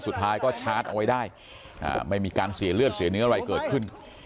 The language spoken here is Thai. สุดท้ายก็ชาร์จเอาไว้ได้ไม่มีการเสียเลือดเสียเนื้ออะไรเกิดขึ้น